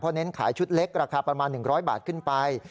เน้นขายชุดเล็กราคาประมาณ๑๐๐บาทขึ้นไป